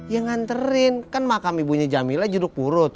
ya nganterin kan makam ibunya jamilah juduk murut